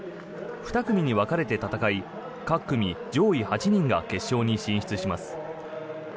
２組に分かれて戦い各組上位８人が決勝に進出します。